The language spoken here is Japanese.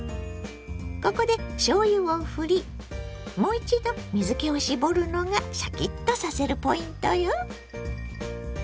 ここでしょうゆをふりもう一度水けを絞るのがシャキッとさせるポイントよ。